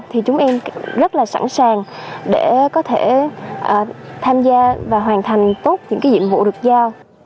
thì chúng em rất là sẵn sàng để có thể tham gia và hoàn thành tốt những cái nhiệm vụ được giao